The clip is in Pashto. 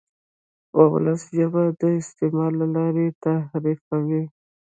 وولسي ژبه د استعمال له لارې تعریفېږي.